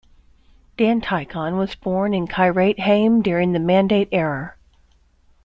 Dan Tichon was born in Kiryat Haim during the Mandate era.